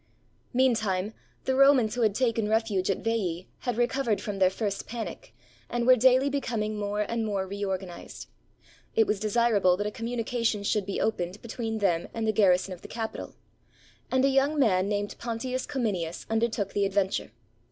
Meantime, the Romans who had taken refuge at Veii had recovered from their first panic, and were daily becoming more and more reorganized. It was desirable that a communication should be opened between them and the garrison of the Capitol; and a young man named Pontius Cominius undertook the adventure.